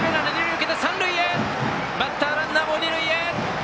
バッターランナーも二塁へ！